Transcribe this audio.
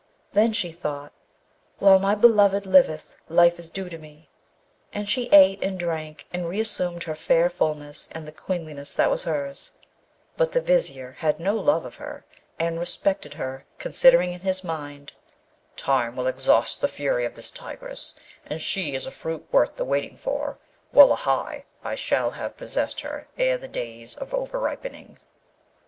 Then she thought, 'While my beloved liveth, life is due to me'; and she ate and drank and reassumed her fair fulness and the queenliness that was hers; but the Vizier had no love of her, and respected her, considering in his mind, 'Time will exhaust the fury of this tigress, and she is a fruit worth the waiting for. Wullahy! I shall have possessed her ere the days of over ripening.'